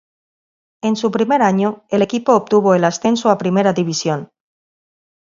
En su primer año, el equipo obtuvo el ascenso a primera división.